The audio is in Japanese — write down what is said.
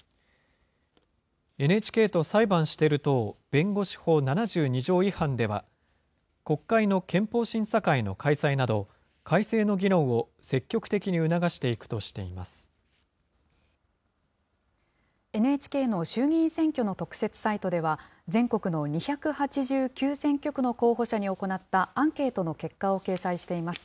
ＮＨＫと裁判してる党弁護士法７２条違反では、国会の憲法審査会の開催など、改正の議論を積極的に促していくとＮＨＫの衆議院選挙の特設サイトでは、全国の２８９選挙区の候補者に行ったアンケートの結果を掲載しています。